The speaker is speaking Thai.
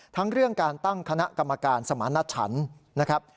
ทั้งเรื่องการตั้งคณะกรรมการสมารณชันนะครับ